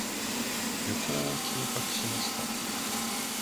旅行を計画しました。